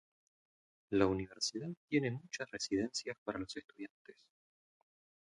La universidad tiene muchas residencias para los estudiantes.